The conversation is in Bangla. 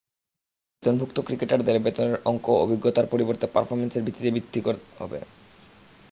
বেতনভুক্ত ক্রিকেটারদের বেতনের অঙ্কও অভিজ্ঞতার পরিবর্তে পারফরম্যান্সের ওপর ভিত্তি করে হবে।